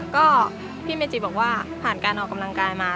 ก็พี่เมจิบอกว่าผ่านการออกกำลังกายมา